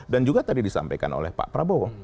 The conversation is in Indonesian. juga tadi disampaikan oleh pak prabowo